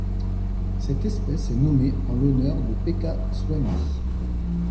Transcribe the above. Cette espèce est nommée en l'honneur de Pekka Soini.